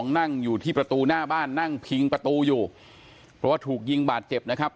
นั่งอยู่ที่ประตูหน้าบ้านนั่งพิงประตูอยู่เพราะว่าถูกยิงบาดเจ็บนะครับ